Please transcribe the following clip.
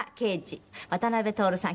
渡辺徹さん